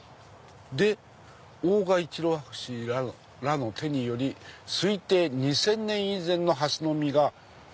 で「大賀一郎博士らの手により推定二〇〇〇年以前のハスの実が」。